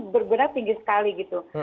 bergerak tinggi sekali gitu